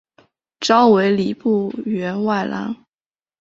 召为礼部员外郎。